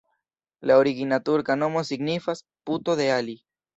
La origina turka nomo signifas: puto de Ali.